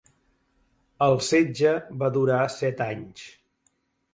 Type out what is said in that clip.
El setge va durar set anys.